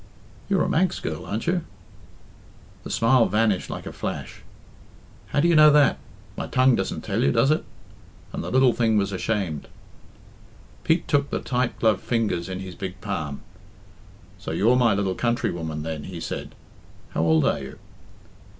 "You're a Manx girl, aren't you?" The smile vanished like a flash. "How do you know that? My tongue doesn't tell you, does it?" And the little thing was ashamed. Pete took the tight gloved fingers in his big palm. "So you're my lil countrywoman, then?" he said. "How old are you?"